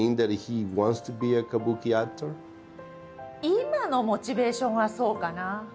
今のモチベーションはそうかな。